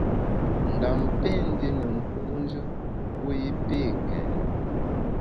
Ndam pé ndié ne nku’njù mbu i pé kèn.